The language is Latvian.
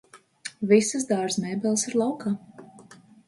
Visas dārza mēbeles ir laukā